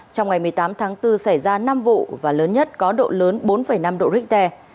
trong ngày một mươi tám tháng bốn xảy ra năm vụ và lớn nhất có độ lớn bốn năm độ richter